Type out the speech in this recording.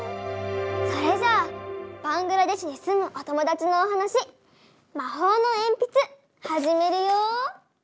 それじゃあバングラデシュにすむお友だちのおはなし「まほうのえんぴつ」はじめるよ。